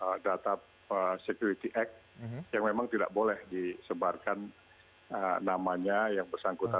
karena memang ada personal data security act yang memang tidak boleh disebarkan namanya yang bersangkutan